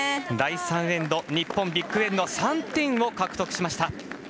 第３エンド、日本ビッグエンド３点を獲得しました。